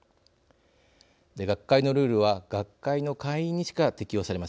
学会のルールは学会の会員にしか適用されません。